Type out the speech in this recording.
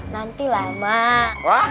bantuin pake dua puluh sembilan an rok